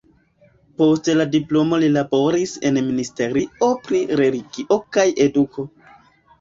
Post la diplomo li laboris en ministerio pri Religio kaj Eduko.